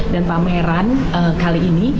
dan pameran kali ini adalah bertahun tahun ini